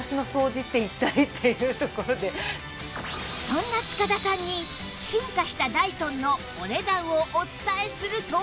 そんな塚田さんに進化したダイソンのお値段をお伝えすると